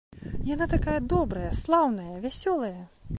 Яна такая добрая, слаўная, вясёлая!